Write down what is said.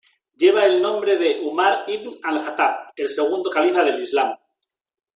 Lleva el nombre de Umar ibn al-Jattab, el segundo califa del islam.